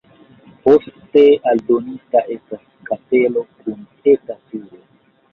Poste aldonita estas kapelo kun eta turo.